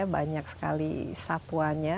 banyak sekali sapuanya